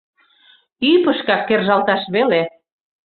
Ӱпышкак кержалташ веле.